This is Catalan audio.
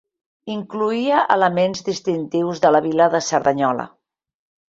Incloïa elements distintius de la vila de Cerdanyola.